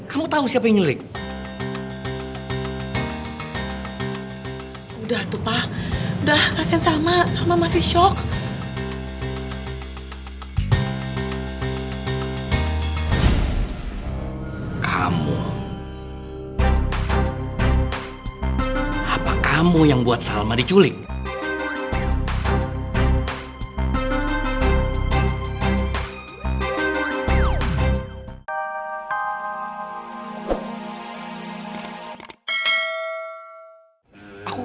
apa kamu yang buat salma diculik